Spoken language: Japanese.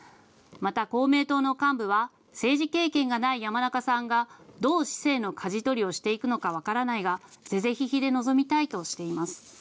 また公明党の幹部は、政治経験がない山中さんがどう市政のかじ取りをしていくのか分からないが是々非々で臨みたいとしています。